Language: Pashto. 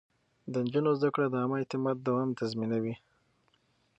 د نجونو زده کړه د عامه اعتماد دوام تضمينوي.